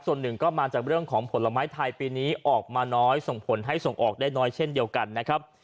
ส่วนหนึ่งก็มาจากเรื่องของผลไม้ไทยปีนี้ออกมาน้อยส่งผลให้ส่งออกได้น้อยเช่นเดียวกันนะครับ